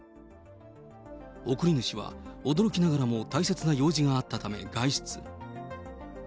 送り主は驚きながらも大切な用事があったため外出。